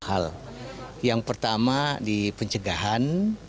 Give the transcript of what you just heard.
hal yang pertama di pencegahan